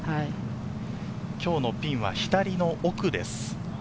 今日のピンは左の奥です。